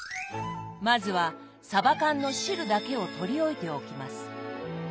まずはさば缶の汁だけを取り置いておきます。